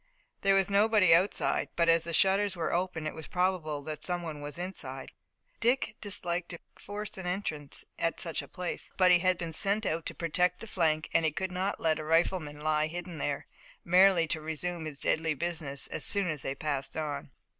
There was nobody outside, but as the shutters were open it was probable that someone was inside. Dick disliked to force an entrance at such a place, but he had been sent out to protect the flank and he could not let a rifleman lie hidden there, merely to resume his deadly business as soon as they passed on.